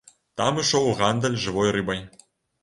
Там ішоў гандаль жывой рыбай.